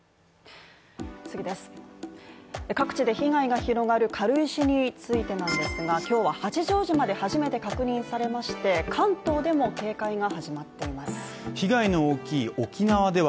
各地で被害が広がる軽石についてなんですが今日は八丈島で初めて確認されまして、関東でも警戒が始まっております